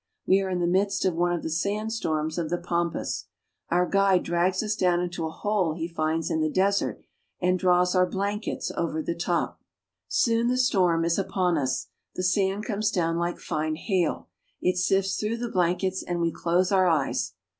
We are in the midst of one of the sand storms of the pampas. Our guide drags us down into a hole he finds in the desert, and draws our blankets over the top. Soon the storm is upon us. The sand comes down like fine hail. It sifts through the blankets, and we close our eyes.